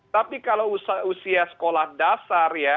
tapi kalau usia sekolah dasar ya